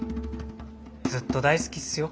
ずっと大好きっすよ。